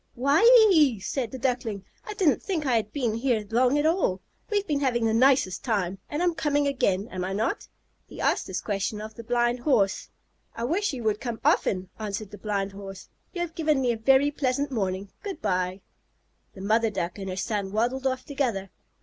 "Why ee!" said the Duckling. "I didn't think I had been here long at all. We've been having the nicest time. And I'm coming again, am I not?" He asked this question of the Blind Horse. "I wish you would come often," answered the Blind Horse. "You have given me a very pleasant morning. Good bye!" The mother Duck and her son waddled off together.